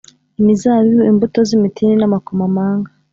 imizabibu, imbuto z’imitini n’amakomamanga,